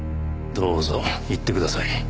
どうぞ行ってください。